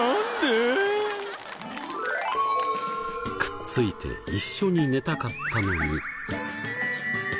くっついて一緒に寝たかったのに。